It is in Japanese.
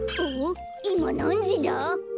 いまなんじだ？